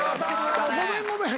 ごめんごめん